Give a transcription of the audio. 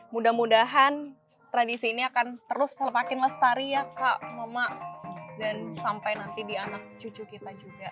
mudah mudahan tradisi ini akan terus semakin lestari ya kak mama dan sampai nanti di anak cucu kita juga